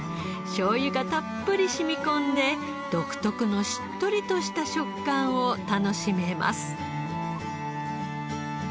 しょうゆがたっぷり染み込んで独特のしっとりとした食感を楽しめます。